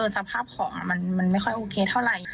สภาพของมันไม่ค่อยโอเคเท่าไหร่